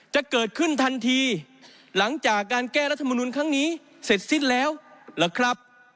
จะเกิดขึ้นทันทีหลังจากการแก้รัฐมนุนครั้งนี้เสร็จสิ้นแล้วหรือครับ